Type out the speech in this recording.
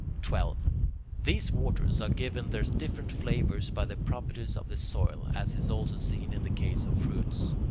12. These waters are given their different flavours by the properties of the soil, as is also seen in the case of fruits.